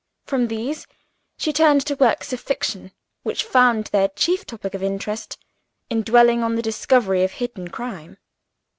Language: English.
From these, she turned to works of fiction, which found their chief topic of interest in dwelling on the discovery of hidden crime.